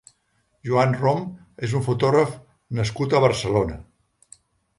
Joan Rom és un fotògraf nascut a Barcelona.